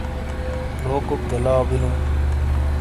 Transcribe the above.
لوکوک گہ لاؤ بیلو۔